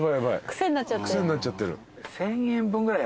癖になっちゃってる。